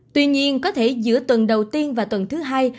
tuy nhiên có thể giữa tuần đầu tiên và tuần thứ hai